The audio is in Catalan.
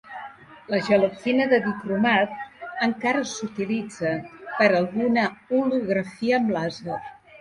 La gelatina de dicromat encara s'utilitza per a alguna holografia amb làser.